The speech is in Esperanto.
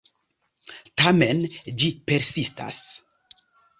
Tamen, ĝi persistas.